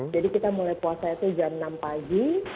jadi kita mulai puasa itu jam enam pagi